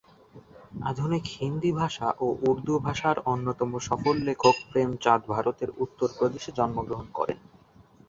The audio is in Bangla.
আধুনিক হিন্দি ভাষা ও উর্দু ভাষার অন্যতম সফল লেখক প্রেমচাঁদ ভারতের উত্তর প্রদেশে জন্মগ্রহণ করেন।